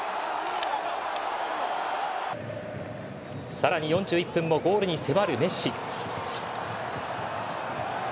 さらに４１分もゴールに迫るメッシ。